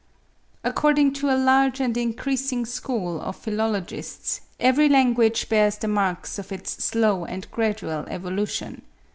According to a large and increasing school of philologists, every language bears the marks of its slow and gradual evolution.